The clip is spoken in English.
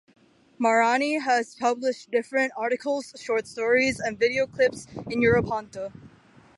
Marani has published different articles, short stories and video clips in Europanto.